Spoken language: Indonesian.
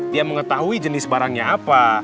dia mengetahui jenis barangnya apa